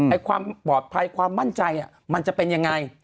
ความปลอดภัยความมั่นใจมันจะเป็นยังไง